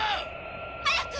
早く！